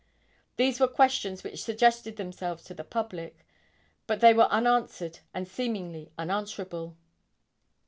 These were questions which suggested themselves to the public, but they were unanswered and seemingly unanswerable.